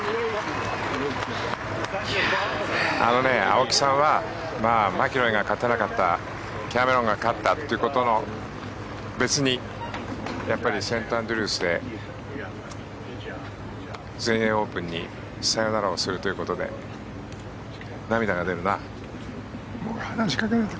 青木さんはマキロイが勝てなかったキャメロンが勝ったということの別にやっぱりセントアンドリュースで全英オープンにさよならをするということで涙が出るな。